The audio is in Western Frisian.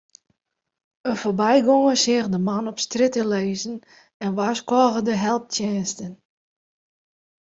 In foarbygonger seach de man op strjitte lizzen en warskôge de helptsjinsten.